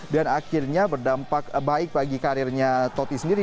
dan akhirnya berdampak baik bagi karirnya totti sendiri